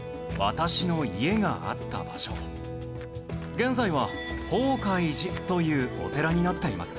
現在は宝戒寺というお寺になっています。